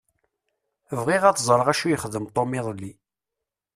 Bɣiɣ ad ẓṛeɣ d acu i yexdem Tom iḍelli.